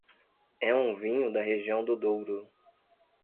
É um vinho da região do Douro.